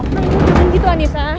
neng jangan gitu anissa